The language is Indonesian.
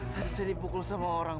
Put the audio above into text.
tadi saya dipukul sama orang